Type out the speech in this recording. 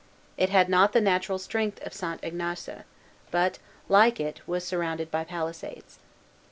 It had not the natural strength of St. Ignace; but, like it, was surrounded by palisades.